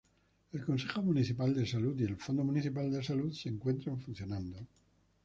El Consejo Municipal de Salud y el Fondo Municipal de Salud se encuentran funcionando.